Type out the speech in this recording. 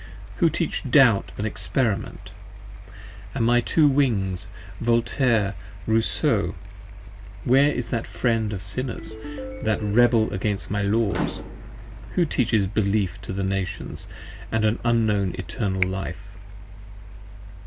Who teach Doubt & Experiment: & my two Wings Voltaire, Rousseau. Where is that Friend of Sinners? that Rebel against my Laws? 20 Who teaches Belief to the Nations, & an unknown Eternal Life.